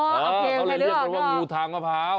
โอ้โฮโอเคใครออกน่ะครับเขาละเรียกเป็นวางูทางมะพร้าว